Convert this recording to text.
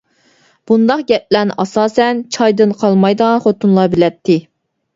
بۇنداق گەپلەرنى ئاساسەن چايدىن قالمايدىغان خوتۇنلار بىلەتتى.